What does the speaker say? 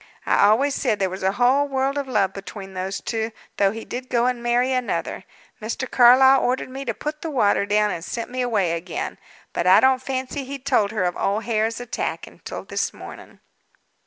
I always said there was a whole world of love between those two; though he did go and marry another. Mr. Carlyle ordered me to put the water down, and sent me away again. But I don't fancy he told her of old Hare's attack until this morning."